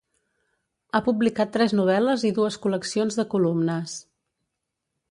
Ha publicat tres novel·les i dues col·leccions de columnes.